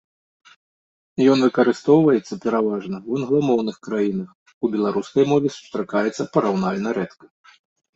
Ён выкарыстоўваецца пераважна ў англамоўных краінах, у беларускай мове сустракаецца параўнальна рэдка.